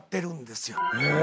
へえ。